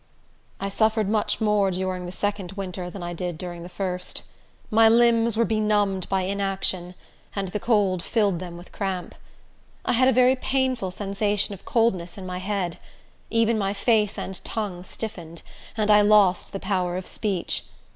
I suffered much more during the second winter than I did during the first. My limbs were benumbed by inaction, and the cold filled them with cramp. I had a very painful sensation of coldness in my head; even my face and tongue stiffened, and I lost the power of speech.